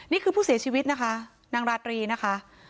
นี่คือผู้เสียชีวิตนะคะนางราตรีนะคะ